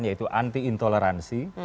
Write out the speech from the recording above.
yaitu anti intoleransi